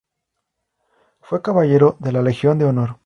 Fue Caballero de la Legión de honor.